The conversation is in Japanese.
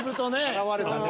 現れたね。